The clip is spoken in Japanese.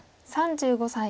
３５歳。